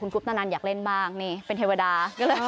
ก็ฝั่งอยากเล่นบ้างเป็นเทวดา